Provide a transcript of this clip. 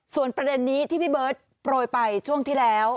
ส่วนประเด็นนี้ที่พี่เบิร์ตโปรยไปช่วงที่แล้ว